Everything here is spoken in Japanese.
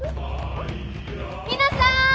皆さん！